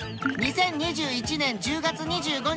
２０２１年１０月２５日放送